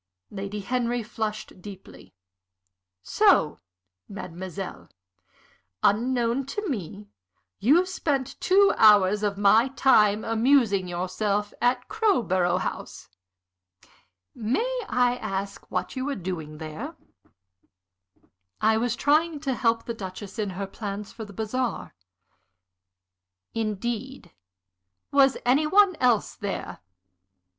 Lady Henry flushed deeply. "So, mademoiselle, unknown to me, you spent two hours of my time amusing yourself at Crowborough House. May I ask what you were doing there?" "I was trying to help the Duchess in her plans for the bazaar." "Indeed? Was any one else there?